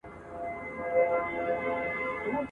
په لومړۍ ورځ چي ځالۍ دي جوړوله ..